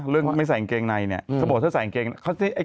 เรื่องไม่ใส่อังเกงในเนี่ย